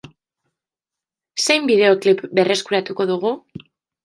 Zein bideoklip berreskuratuko dugu?